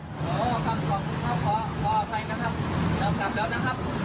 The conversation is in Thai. ขออภัยนะครับจำกลับแล้วนะครับ